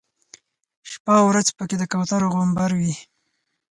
شپه او ورځ په کې د کوترو غومبر وي.